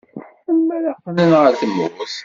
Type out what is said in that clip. Melmi ara qqlen ɣer tmurt?